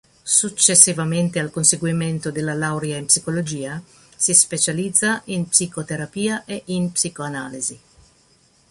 Successivamente al conseguimento della laurea in psicologia si specializza in psicoterapia e in psicoanalisi.